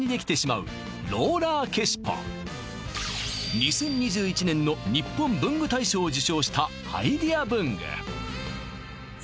２０２１年の日本文具大賞を受賞したアイデア文具さあ